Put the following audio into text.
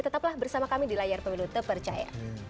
tetaplah bersama kami di layar pemilu terpercaya